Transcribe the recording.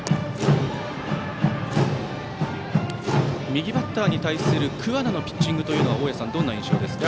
右バッターに対する桑名のピッチングは大矢さん、どんな印象ですか。